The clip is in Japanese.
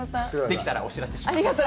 できたらお知らせします。